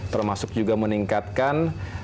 termasuk juga meningkatkan